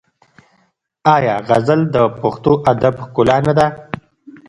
آیا غزل د پښتو ادب ښکلا نه ده؟